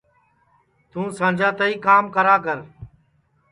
توں سانجا تائی کام کرا کر